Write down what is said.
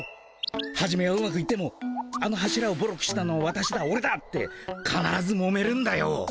はじめはうまくいってもあの柱をボロくしたのはわたしだオレだってかならずもめるんだよ。